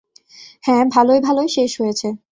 হ্যাঁ, ভালোয় ভালোয় শেষ হয়েছে।